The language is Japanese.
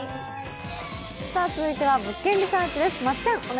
続いては「物件リサーチ」です。